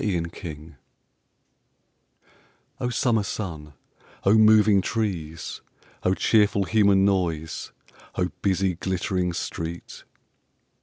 O Summer sun, O moving trees! O cheerful human noise, O busy glittering street!